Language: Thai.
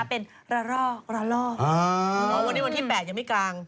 เป็นยังไงอ๋อวันนี้วันที่๘ยังไม่กลาง